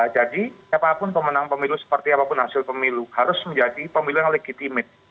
jadi siapapun pemenang pemilu seperti apapun hasil pemilu harus menjadi pemilu yang legitimit